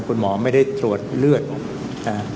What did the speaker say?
คุณหมอไม่ได้ตรวจเลือดนะ